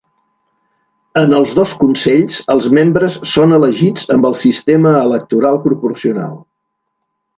En els dos consells els membres són elegits amb el sistema electoral proporcional.